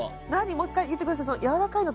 もう一回言って下さい。